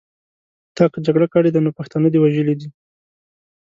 تا که جګړه کړې ده نو پښتانه دې وژلي دي.